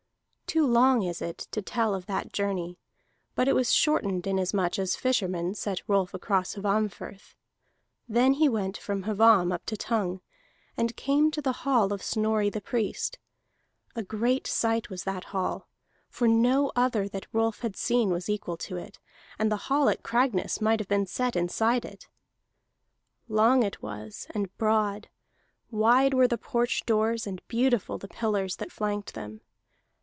Too long is it to tell of that journey, but it was shortened inasmuch as fishermen set Rolf across Hvammfirth. Then he went from Hvamm up to Tongue, and came to the hall of Snorri the Priest. A great sight was that hall, for no other that Rolf had seen was equal to it, and the hall at Cragness might have been set inside it. Long it was, and broad; wide were the porch doors, and beautiful the pillars that flanked them.